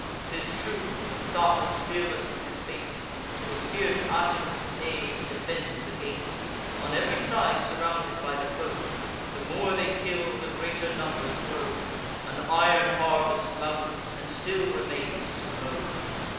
'Tis true, Messapus, fearless of his fate, With fierce Atinas' aid, defends the gate: On ev'ry side surrounded by the foe, The more they kill, the greater numbers grow; An iron harvest mounts, and still remains to mow.